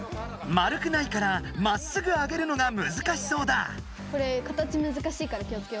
丸くないからまっすぐ上げるのがむずかしそうだ。